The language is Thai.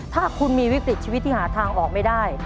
ถ้าคุณมีวิกฤตชีวิตที่หาทางออกไม่ได้